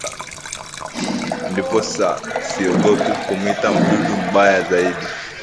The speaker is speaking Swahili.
Ndiposa siogopi kumwita mdudu mbaya zaidi